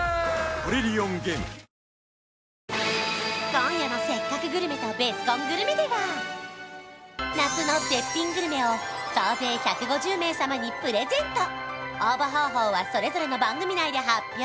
今夜の「せっかくグルメ！！」と「ベスコングルメ」では夏の絶品グルメを総勢１５０名様にプレゼント応募方法はそれぞれの番組内で発表